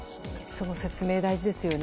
その説明大事ですよね。